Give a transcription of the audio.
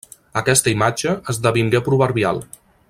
Aquesta imatge esdevingué proverbial.